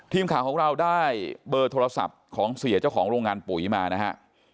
ทีมข่าวของเราได้เบอร์โทรศัพท์ของเสียเจ้าของโรงงานปุ๋ยมานะฮะ